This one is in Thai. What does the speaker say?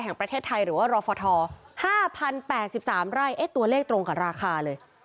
แห่งประเทศไทยหรือว่าห้าพันแปดสิบสามไร่เอ๊ะตัวเลขตรงกับราคาเลย